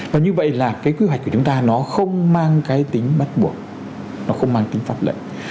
và như vậy là cái quy hoạch của chúng ta nó không mang cái tính bắt buộc nó không mang tính pháp lệnh